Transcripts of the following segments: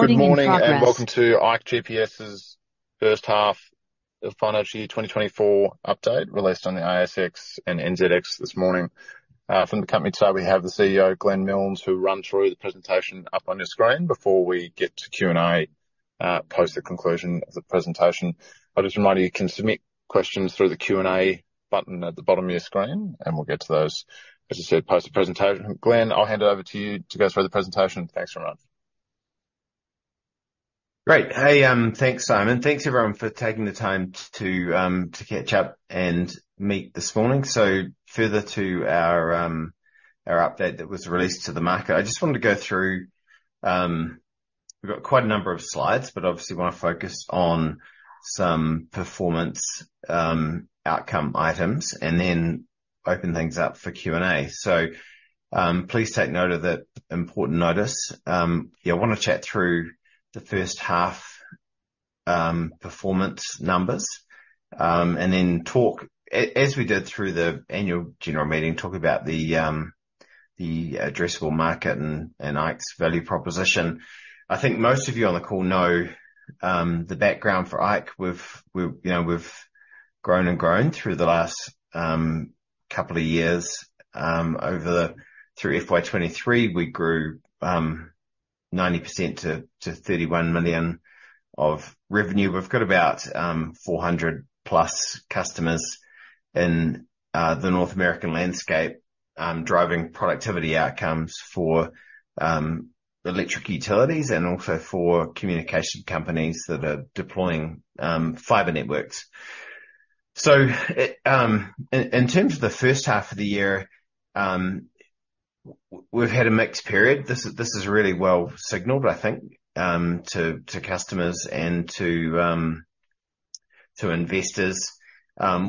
Good morning, and welcome to ikeGPS's H1 of Financial Year 2024 update, released on the ASX and NZX this morning. From the company today, we have the CEO, Glenn Milnes, who'll run through the presentation up on your screen before we get to Q&A, post the conclusion of the presentation. I'll just remind you, you can submit questions through the Q&A button at the bottom of your screen, and we'll get to those, as I said, post-presentation. Glenn, I'll hand it over to you to go through the presentation. Thanks very much. Great. Hey, thanks, Simon. Thanks, everyone, for taking the time to catch up and meet this morning. So further to our update that was released to the market, I just wanted to go through... We've got quite a number of slides, but obviously want to focus on some performance outcome items and then open things up for Q&A. So, please take note of that important notice. Yeah, I want to chat through the H1 performance numbers, and then talk as we did through the Annual General Meeting, talk about the addressable market and IKE's value proposition. I think most of you on the call know the background for I. We've, you know, we've grown and grown through the last couple of years. Over through FY 2023, we grew 90% to 31 million of revenue. We've got about 400+ customers in the North American landscape, driving productivity outcomes for electric utilities and also for communication companies that are deploying fiber networks. So in terms of the H1 of the year, we've had a mixed period. This is really well signaled, I think, to customers and to investors.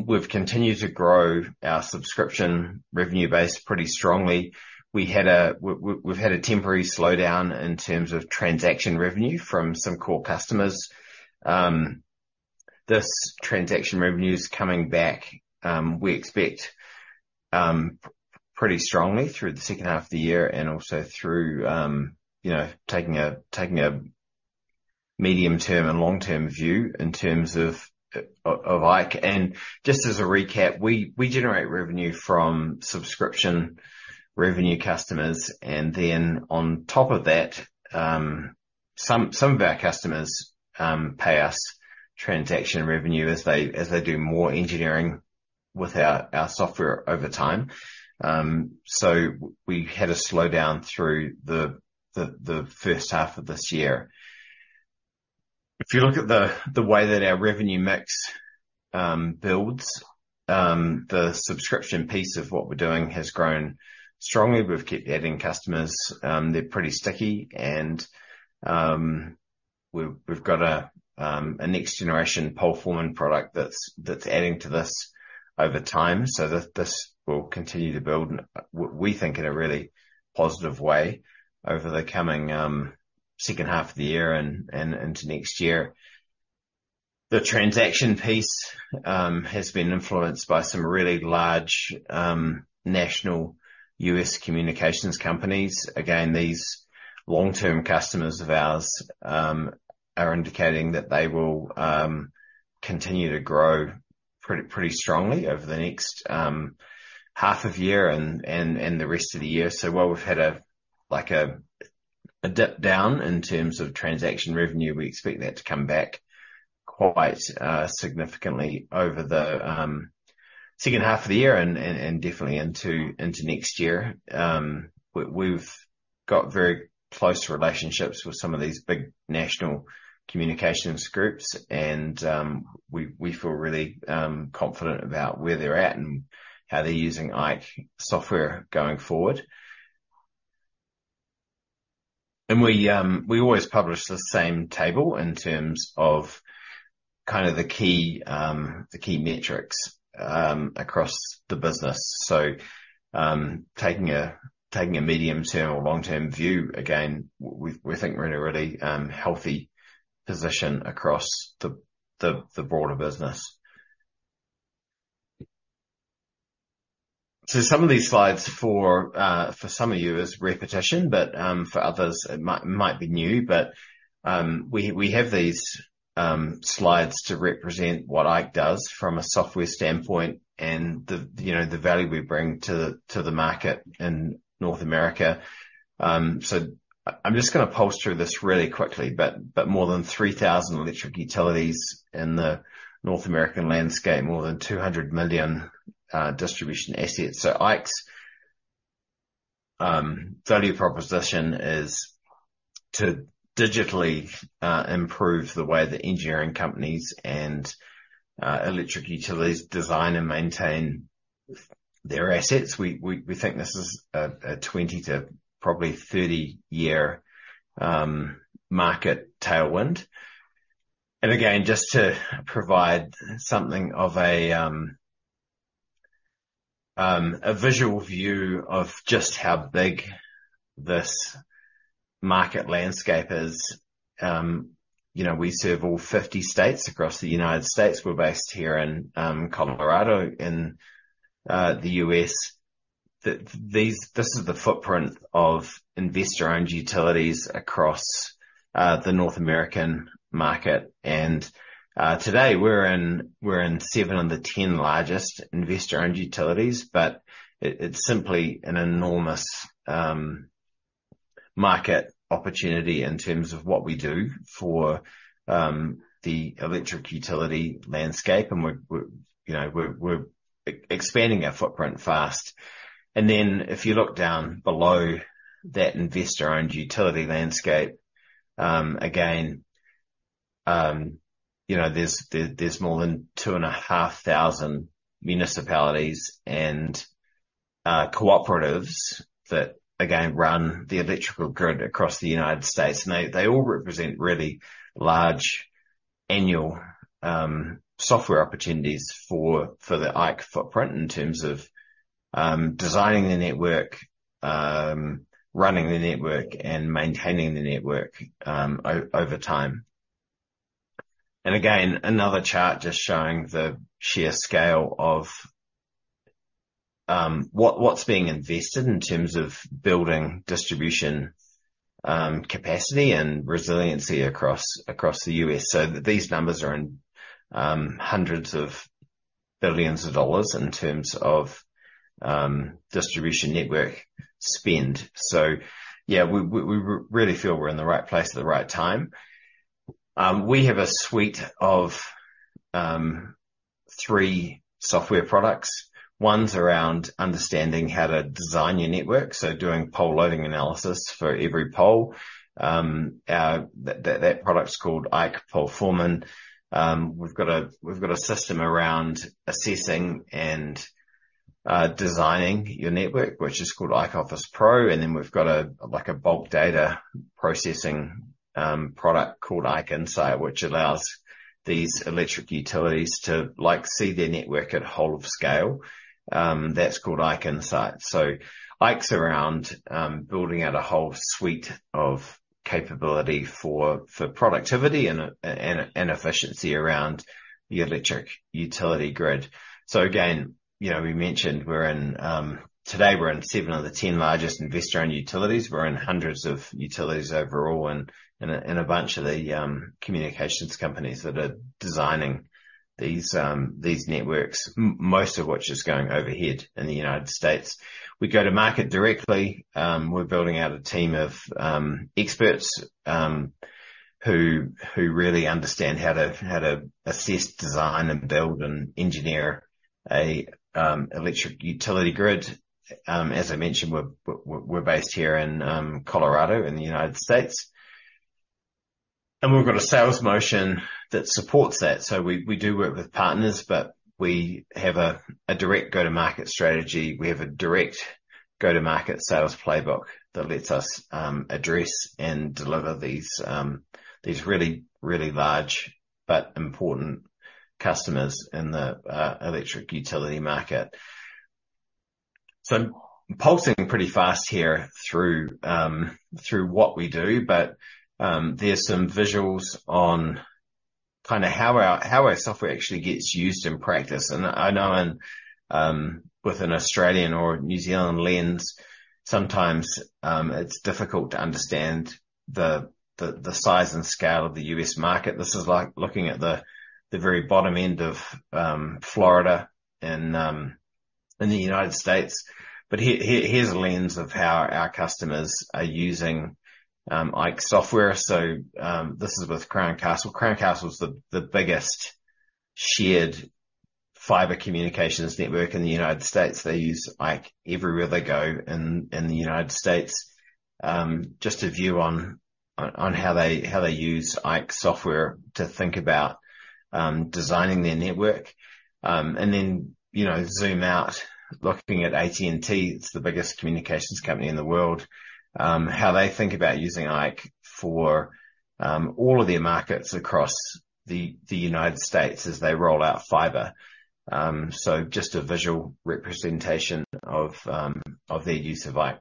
We've continued to grow our subscription revenue base pretty strongly. We've had a temporary slowdown in terms of transaction revenue from some core customers. This transaction revenue is coming back, we expect pretty strongly through the second half of the year and also through, you know, taking a medium-term and long-term view in terms of IKE. And just as a recap, we generate revenue from subscription revenue customers, and then on top of that, some of our customers pay us transaction revenue as they do more engineering with our software over time. So we had a slowdown through the H1 of this year. If you look at the way that our revenue mix builds, the subscription piece of what we're doing has grown strongly. We've kept adding customers, they're pretty sticky, and we've got a next generation PoleForeman product that's adding to this over time. So this will continue to build, we think, in a really positive way over the coming second half of the year and into next year. The transaction piece has been influenced by some really large national U.S. communications companies. Again, these long-term customers of ours are indicating that they will continue to grow pretty strongly over the next half of year and the rest of the year. So while we've had like a dip down in terms of transaction revenue, we expect that to come back quite significantly over the second half of the year and definitely into next year. We've got very close relationships with some of these big national communications groups, and we feel really confident about where they're at and how they're using IKE software going forward. And we always publish the same table in terms of kind of the key metrics across the business. So, taking a medium-term or long-term view, again, we think we're in a really healthy position across the broader business. So some of these slides for some of you is repetition, but for others it might be new. But we have these slides to represent what IKE does from a software standpoint and the, you know, the value we bring to the market in North America. So I'm just gonna pulse through this really quickly, but more than 3,000 electric utilities in the North American landscape, more than 200 million distribution assets. So IKE's value proposition is to digitally improve the way that engineering companies and electric utilities design and maintain their assets. We think this is a 20- to probably 30-year market tailwind. And again, just to provide something of a visual view of just how big this market landscape is, you know, we serve all 50 states across the United States. We're based here in Colorado, in the U.S. That these—this is the footprint of investor-owned utilities across the North American market. Today we're in seven of the 10 largest investor-owned utilities, but it's simply an enormous market opportunity in terms of what we do for the electric utility landscape. And we're, you know, expanding our footprint fast. And then if you look down below that investor-owned utility landscape, again, you know, there's more than 2,500 municipalities and cooperatives that again run the electrical grid across the United States. And they all represent really large annual software opportunities for the IKE footprint in terms of designing the network, running the network, and maintaining the network over time. And again, another chart just showing the sheer scale of what's being invested in terms of building distribution capacity and resiliency across the U.S. So these numbers are in $hundreds of billions in terms of distribution network spend. So yeah, we really feel we're in the right place at the right time. We have a suite of 3 software products. One's around understanding how to design your network, so doing pole loading analysis for every pole. That product is called IKE PoleForeman. We've got a system around assessing and designing your network, which is called IKE Office Pro, and then we've got a like a bulk data processing product called IKE Insight, which allows these electric utilities to like see their network at whole of scale. That's called IKE Insight. So IKE's around building out a whole suite of capability for productivity and efficiency around the electric utility grid. So again, you know, we mentioned today we're in 7 of the 10 largest investor-owned utilities. We're in hundreds of utilities overall and a bunch of the communications companies that are designing these networks, most of which is going overhead in the United States. We go to market directly. We're building out a team of experts who really understand how to assess, design and build and engineer an electric utility grid. As I mentioned, we're based here in Colorado, in the United States, and we've got a sales motion that supports that. So we do work with partners, but we have a direct go-to-market strategy. We have a direct go-to-market sales playbook that lets us, address and deliver these really, really large but important customers in the electric utility market. So pulsing pretty fast here through what we do. But, there are some visuals on kind of how our software actually gets used in practice. And I know in with an Australian or New Zealand lens, sometimes it's difficult to understand the size and scale of the U.S. market. This is like looking at the very bottom end of Florida in the United States. But here, here's a lens of how our customers are using IKE software. So, this is with Crown Castle. Crown Castle is the biggest shared fiber communications network in the United States. They use IKE everywhere they go in the United States. Just a view on how they use IKE software to think about designing their network. And then, you know, zoom out. Looking at AT&T, it's the biggest communications company in the world, how they think about using IKE for all of their markets across the United States as they roll out fiber. So just a visual representation of their use of IKE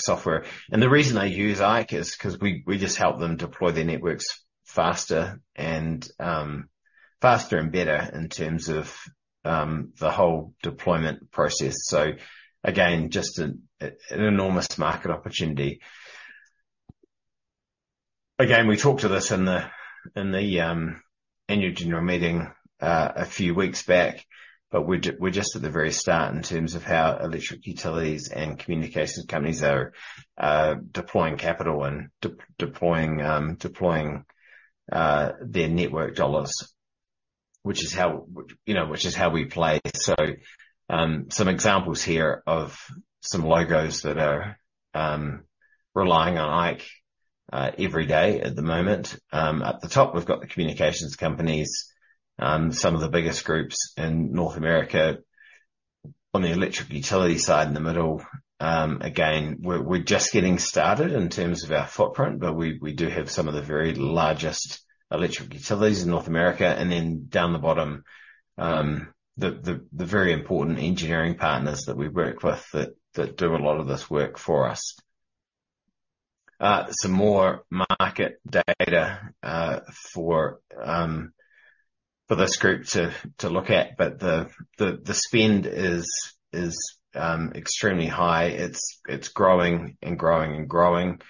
software. And the reason they use IKE is 'cause we just help them deploy their networks faster and faster and better in terms of the whole deployment process. So again, just an enormous market opportunity. Again, we talked to this in the Annual General Meeting a few weeks back, but we're just at the very start in terms of how electric utilities and communications companies are deploying capital and de-deploying, deploying their network dollars, which is how, you know, which is how we play. So, some examples here of some logos that are relying on IKE every day at the moment. At the top, we've got the communications companies, some of the biggest groups in North America. On the electric utility side, in the middle, again, we're just getting started in terms of our footprint, but we do have some of the very largest electric utilities in North America. Then down the bottom, the very important engineering partners that we work with, that do a lot of this work for us. Some more market data for this group to look at, but the spend is extremely high. It's growing and growing and growing.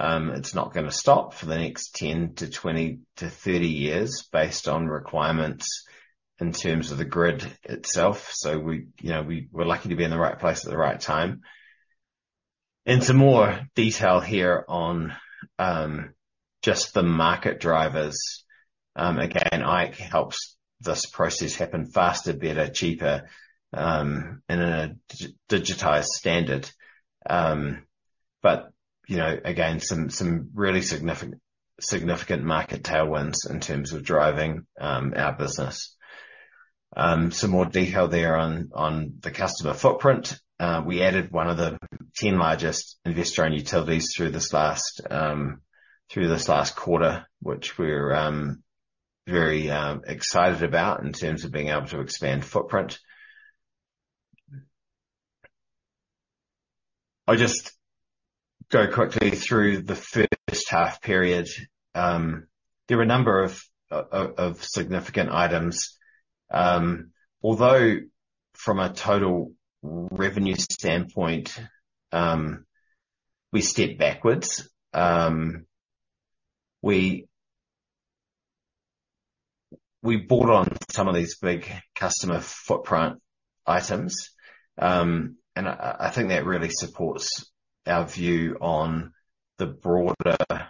It's not going to stop for the next 10 to 20 to 30 years based on requirements in terms of the grid itself. So we, you know, we're lucky to be in the right place at the right time. And some more detail here on just the market drivers. Again, IKE helps this process happen faster, better, cheaper, in a digitized standard. But, you know, again, some really significant market tailwinds in terms of driving our business. Some more detail there on, on the customer footprint. We added one of the 10 largest investor-owned utilities through this last quarter, which we're very excited about in terms of being able to expand footprint. I'll just go quickly through the H1 period. There were a number of significant items. Although from a total revenue standpoint, we stepped backwards, we bought on some of these big customer footprint items. And I think that really supports our view on the broader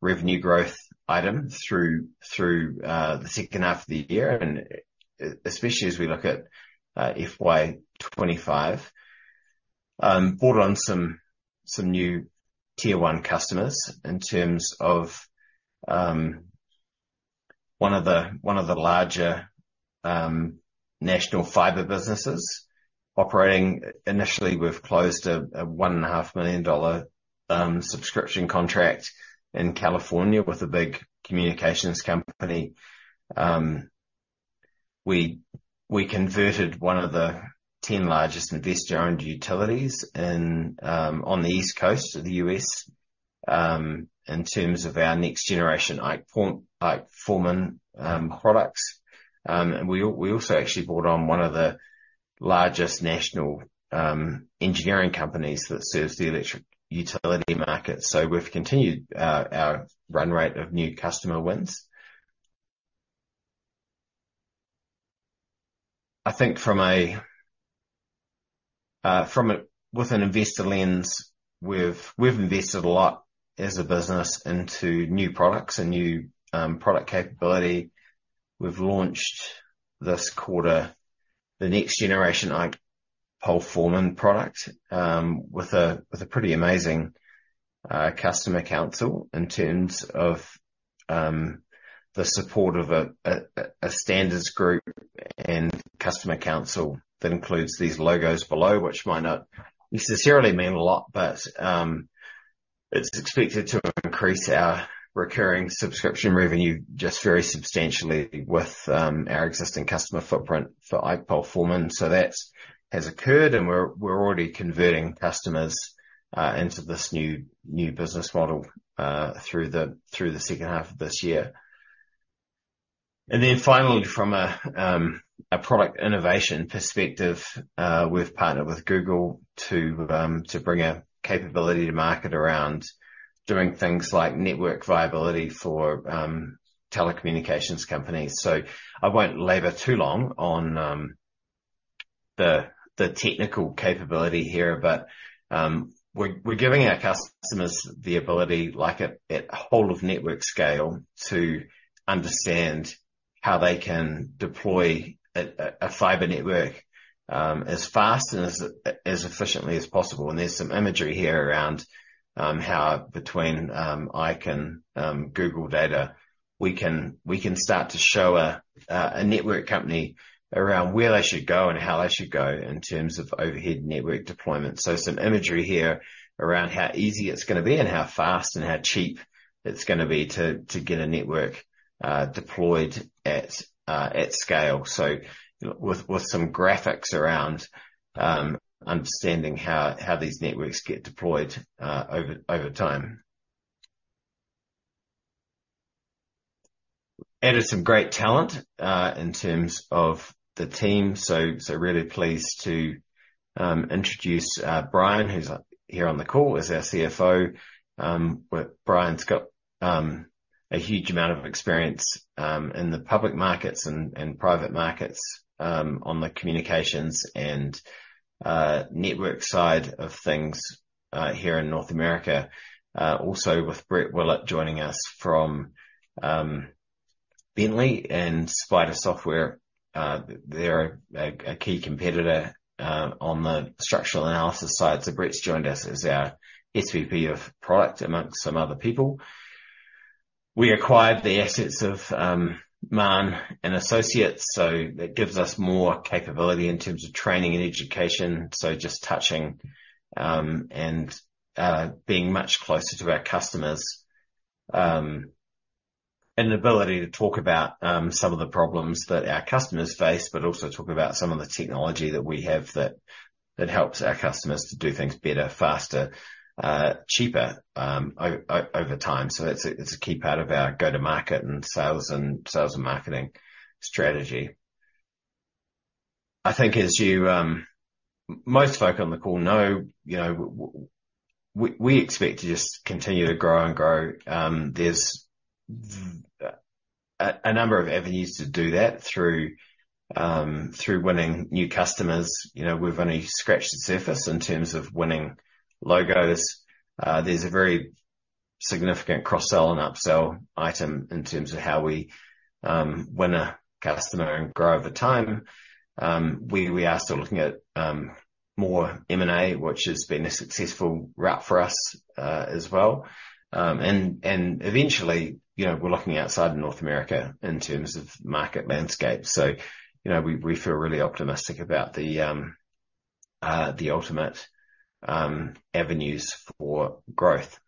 revenue growth item through the second half of the year, and especially as we look at FY 2025. Brought on some new tier one customers in terms of one of the larger national fiber businesses operating. Initially, we've closed a $1.5 million subscription contract in California with a big communications company. We converted one of the 10 largest investor-owned utilities on the East Coast of the U.S. in terms of our next-generation IKE PoleForeman products. And we also actually brought on one of the largest national engineering companies that serves the electric utility market. So we've continued our run rate of new customer wins. I think, with an investor lens, we've invested a lot as a business into new products and new product capability. We've launched this quarter, the next generation IKE PoleForeman product, with a pretty amazing customer council in terms of the support of a standards group and customer council that includes these logos below, which might not necessarily mean a lot, but it's expected to increase our recurring subscription revenue just very substantially with our existing customer footprint for IKE PoleForeman. So that has occurred, and we're already converting customers into this new business model through the second half of this year. And then finally, from a product innovation perspective, we've partnered with Google to bring a capability to market around doing things like network viability for telecommunications companies. So I won't labor too long on the technical capability here, but we're giving our customers the ability, like at whole of network scale, to understand how they can deploy a fiber network as fast and as efficiently as possible. And there's some imagery here around how between ike and Google data, we can start to show a network company around where they should go and how they should go in terms of overhead network deployment. So some imagery here around how easy it's gonna be and how fast and how cheap it's gonna be to get a network deployed at scale. So with some graphics around understanding how these networks get deployed over time. Added some great talent in terms of the team. Really pleased to introduce Brian, who's here on the call as our CFO. Well, Brian's got a huge amount of experience in the public markets and private markets on the communications and network side of things here in North America. Also with Brett Willitt joining us from Bentley and SPIDA Software. They're a key competitor on the structural analysis side. So Brett's joined us as our SVP of product, among some other people. We acquired the assets of Marne & Associates, so that gives us more capability in terms of training and education. So just touching and being much closer to our customers... An ability to talk about some of the problems that our customers face, but also talk about some of the technology that we have that helps our customers to do things better, faster, cheaper, over time. So that's a key part of our go-to-market and sales and marketing strategy. I think as you... Most folk on the call know, you know, we expect to just continue to grow and grow. There's a number of avenues to do that through winning new customers. You know, we've only scratched the surface in terms of winning logos. There's a very significant cross-sell and upsell item in terms of how we win a customer and grow over time. We are still looking at more M&A, which has been a successful route for us, as well. And eventually, you know, we're looking outside of North America in terms of market landscape. So, you know, we feel really optimistic about the ultimate avenues for growth.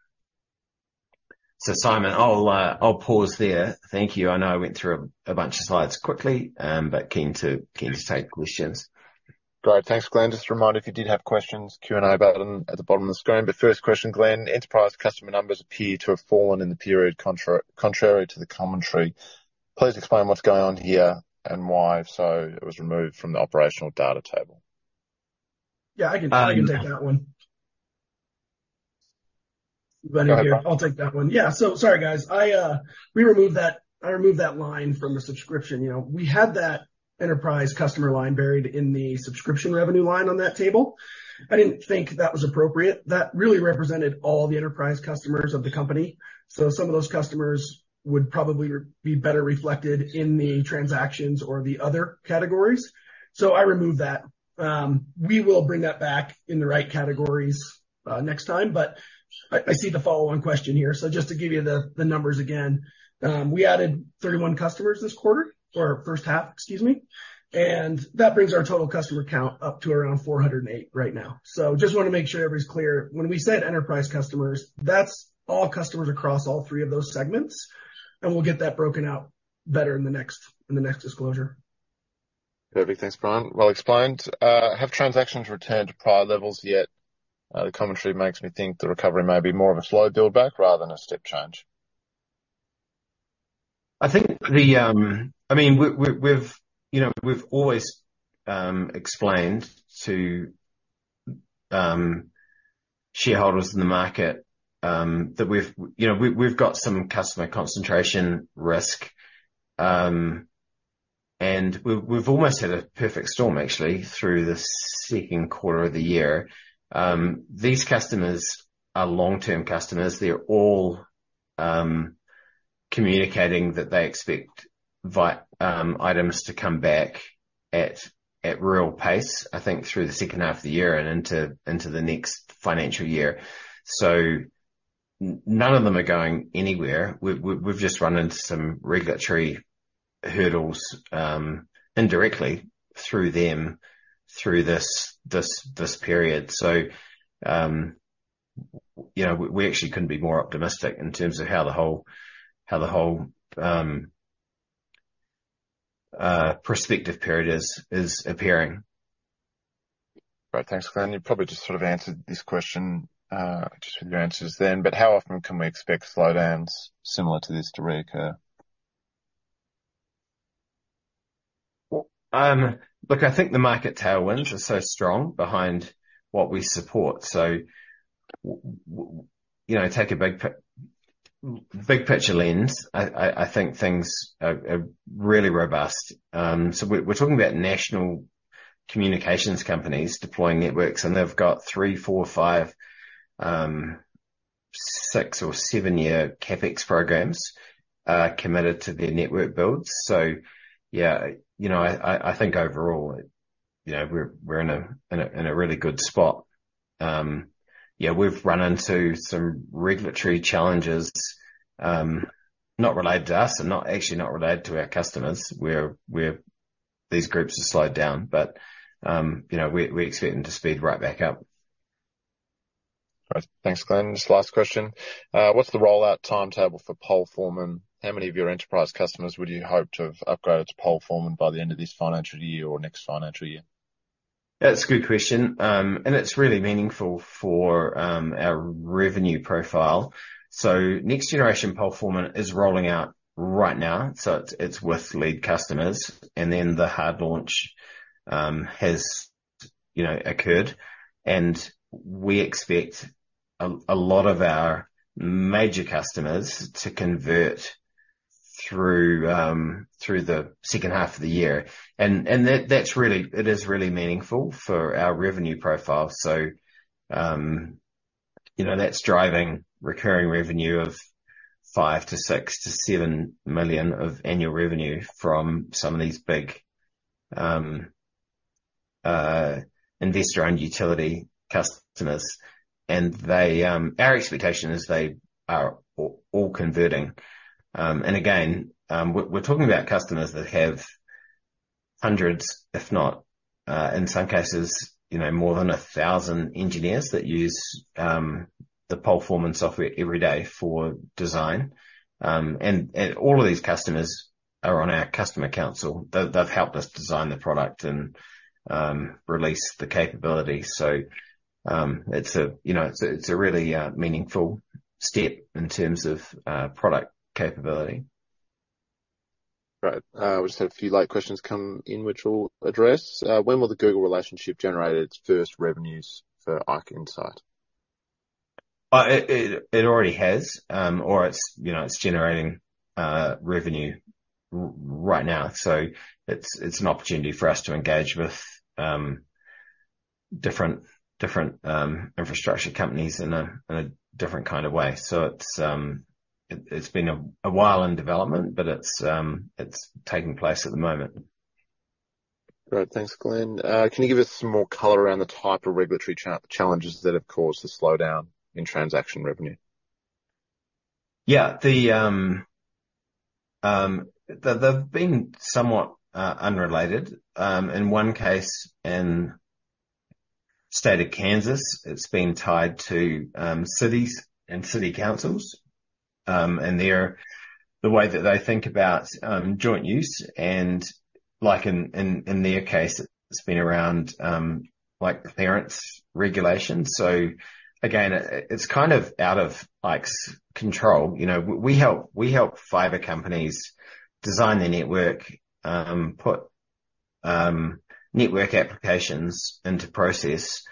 So, Simon, I'll pause there. Thank you. I know I went through a bunch of slides quickly, but keen to take questions. Great. Thanks, Glenn. Just a reminder, if you did have questions, Q&A button at the bottom of the screen. But first question, Glenn. Enterprise customer numbers appear to have fallen in the period contrary to the commentary. Please explain what's going on here and why it was removed from the operational data table. Yeah, I can, I can take that one. I'll take that one. Yeah. So sorry, guys. I, we removed that... I removed that line from the subscription. You know, we had that enterprise customer line buried in the subscription revenue line on that table. I didn't think that was appropriate. That really represented all the enterprise customers of the company, so some of those customers would probably be better reflected in the transactions or the other categories. So I removed that. We will bring that back in the right categories, next time, but I, I see the follow-on question here. So just to give you the, the numbers again, we added 31 customers this quarter or H1, excuse me, and that brings our total customer count up to around 408 right now. So just want to make sure everybody's clear. When we say enterprise customers, that's all customers across all three of those segments, and we'll get that broken out better in the next, in the next disclosure. Perfect. Thanks, Brian. Well explained. Have transactions returned to prior levels yet? The commentary makes me think the recovery may be more of a slow build back rather than a step change. I think the, I mean, we've, we've, you know, we've always explained to shareholders in the market that we've, you know, we've got some customer concentration risk. And we've almost had a perfect storm, actually, through the Q2 of the year. These customers are long-term customers. They're all communicating that they expect items to come back at real pace, I think, through the second half of the year and into the next financial year. So none of them are going anywhere. We've just run into some regulatory hurdles indirectly through them, through this period. So, you know, we actually couldn't be more optimistic in terms of how the whole prospective period is appearing. Great. Thanks, Glenn. You probably just sort of answered this question just with your answers then, but how often can we expect slowdowns similar to this to reoccur? Look, I think the market tailwinds are so strong behind what we support. So, you know, take a big picture lens. I think things are really robust. So we're talking about national communications companies deploying networks, and they've got 3-, 4-, 5-, 6- or 7-year CapEx programs committed to their network builds. So yeah, you know, I think overall, you know, we're in a really good spot. Yeah, we've run into some regulatory challenges, not related to us and not actually not related to our customers, where these groups have slowed down. But, you know, we expect them to speed right back up. Great. Thanks, Glenn. Just last question. What's the rollout timetable for PoleForeman? How many of your enterprise customers would you hope to have upgraded to PoleForeman by the end of this financial year or next financial year? That's a good question, and it's really meaningful for our revenue profile. So next-generation PoleForeman is rolling out right now, so it's with lead customers. And then the hard launch has, you know, occurred, and we expect a lot of our major customers to convert through the second half of the year. And that, that's really. It is really meaningful for our revenue profile. So, you know, that's driving recurring revenue of 5 million-7 million of annual revenue from some of these big investor-owned utility customers. And they, our expectation is they are all converting. And again, we're talking about customers that have hundreds, if not, in some cases, you know, more than 1,000 engineers that use the PoleForeman software every day for design. All of these customers are on our customer council. They've helped us design the product and release the capability. So, it's a, you know, really meaningful step in terms of product capability. Great. We just had a few late questions come in which we'll address. When will the Google relationship generate its first revenues for IKE Insight? It already has. Or it's, you know, it's generating revenue right now. So it's an opportunity for us to engage with different infrastructure companies in a different kind of way. So it's been a while in development, but it's taking place at the moment. Great. Thanks, Glenn. Can you give us some more color around the type of regulatory challenges that have caused the slowdown in transaction revenue? Yeah. The... They've been somewhat unrelated. In one case, in state of Kansas, it's been tied to cities and city councils. And they're. The way that they think about joint use, and like in their case, it's been around like clearance regulations. So again, it's kind of out of 's control. You know, we help fiber companies design their network, put network applications into process.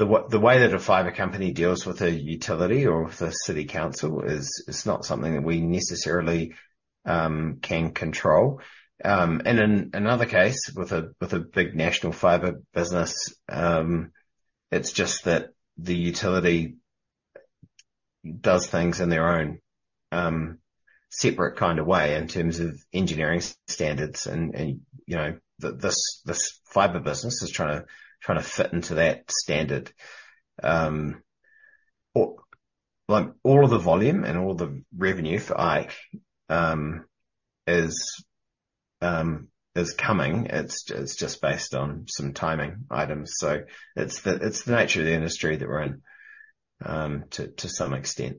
The way that a fiber company deals with a utility or with a city council is not something that we necessarily can control. And in another case, with a big national fiber business, it's just that the utility does things in their own separate kind of way in terms of engineering standards and, and you know, this fiber business is trying to fit into that standard. All, like, all of the volume and all the revenue for IKE is coming. It's just based on some timing items. So it's the nature of the industry that we're in, to some extent.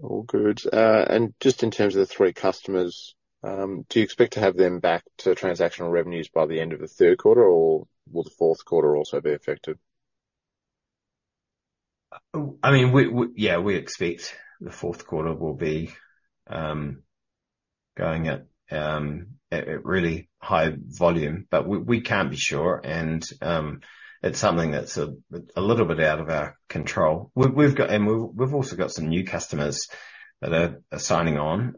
All good. And just in terms of the three customers, do you expect to have them back to transactional revenues by the end of the third quarter, or will the fourth quarter also be affected? I mean, we, yeah, we expect the fourth quarter will be going at really high volume. But we can't be sure, and it's something that's a little bit out of our control. We've got... And we've also got some new customers that are signing on,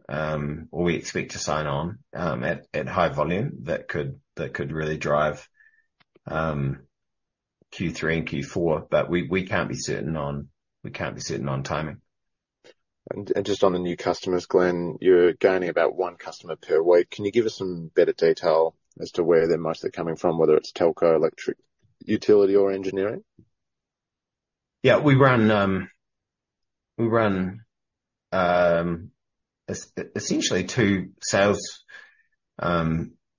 or we expect to sign on, at high volume that could really drive Q3 and Q4, but we can't be certain on timing. And just on the new customers, Glenn, you're gaining about one customer per week. Can you give us some better detail as to where they're mostly coming from, whether it's telco, electric, utility, or engineering? Yeah, we run, we run, essentially two sales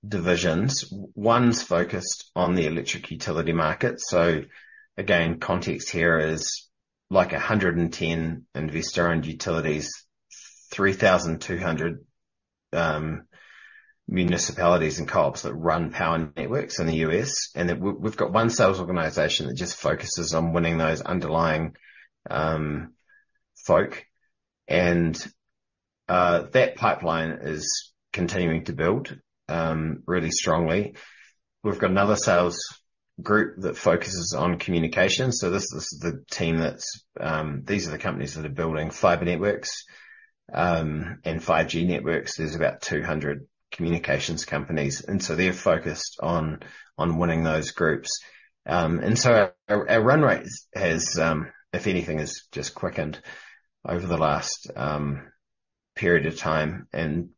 divisions. One's focused on the electric utility market. So again, context here is like 110 investor-owned utilities, 3,200 municipalities and co-ops that run power networks in the U.S. And then we've got one sales organization that just focuses on winning those underlying folks, and that pipeline is continuing to build really strongly. We've got another sales group that focuses on communication, so this is the team that's... These are the companies that are building fiber networks and 5G networks. There's about 200 communications companies, and so they're focused on winning those groups. And so our run rate has, if anything, just quickened over the last period of time. And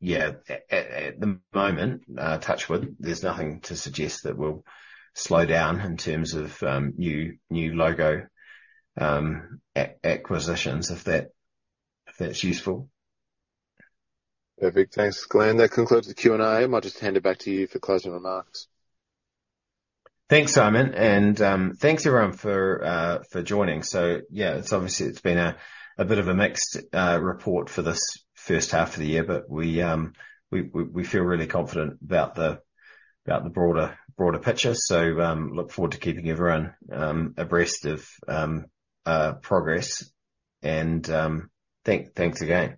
yeah, at the moment, touch wood, there's nothing to suggest that we'll slow down in terms of new logo acquisitions, if that's useful. Perfect. Thanks, Glenn. That concludes the Q&A. I'll just hand it back to you for closing remarks. Thanks, Simon, and thanks everyone for joining. So yeah, it's obviously, it's been a bit of a mixed report for this H1 of the year, but we feel really confident about the broader picture. So, look forward to keeping everyone abreast of progress and thanks again.